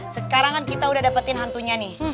sekarang kan kita udah dapetin hantunya nih